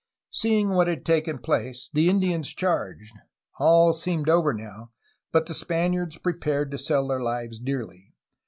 Seeing what had taken place the Indians charged. All seemed over now, but the Spaniards prepared to sell their lives dearly.